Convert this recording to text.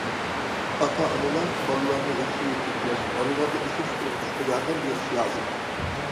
ئاتا- ئانىلار بالىلارنى ياخشى يېتەكلەش، بالىلاردا ئىشەنچ تۇرغۇزۇشقا ياردەم بېرىش لازىم.